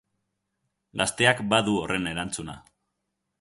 Gazteak badu horren erantzuna.